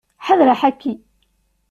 Ḥader aḥaki.